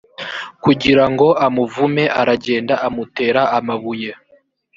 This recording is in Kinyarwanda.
kugira ngo amuvume aragenda amutera amabuye